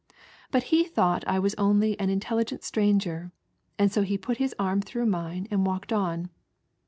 But he thought I was only an Intelligent Stranger, and so he put his arm through mine and walked on.